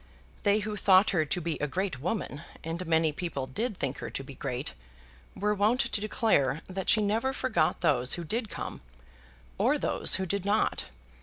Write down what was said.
They who thought her to be a great woman, and many people did think her to be great, were wont to declare that she never forgot those who did come, or those who did not.